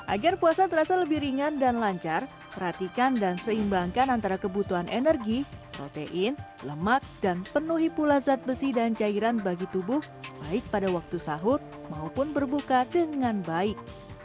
agar puasa terasa lebih ringan dan lancar perhatikan dan seimbangkan antara kebutuhan energi protein lemak dan penuhi pula zat besi dan cairan bagi tubuh baik pada waktu sahur maupun berbuka dengan baik